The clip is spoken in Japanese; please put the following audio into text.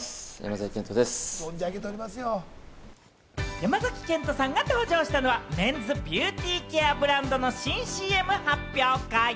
山崎賢人さんが登場したのは、メンズビューティーケアブランドの新ＣＭ発表会。